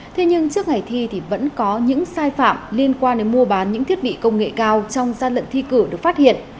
thế nhưng trước ngày thi thì vẫn có những sai phạm liên quan đến mua bán những thiết bị công nghệ cao trong gian lận thi cử được phát hiện